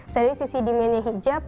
saya dari sisi demandnya hijab